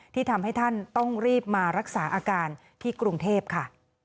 ที่ทำให้ท่านต้องรีบมารักษาอาการที่กรุงเทพค่ะ